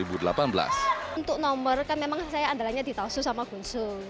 untuk nomor kan memang saya andalannya di talsu sama gunsu